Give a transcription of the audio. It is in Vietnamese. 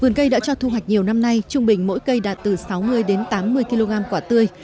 vườn cây đã cho thu hoạch nhiều năm nay trung bình mỗi cây đạt từ sáu mươi đến tám mươi kg quả tươi